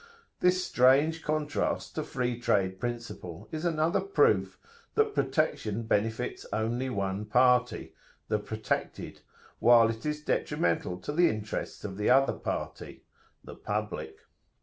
This strange contrast to free trade principle is another proof that protection benefits only one party, the protected, while it is detrimental to the interests of the other party, the public."